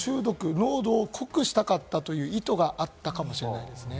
濃度を濃くしたかったという意図があったかもしれないです。